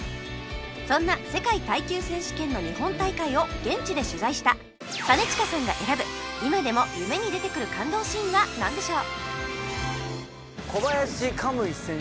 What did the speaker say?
そんな世界耐久選手権の日本大会を現地で取材した兼近さんが選ぶ今でも夢に出てくる感動シーンはなんでしょう？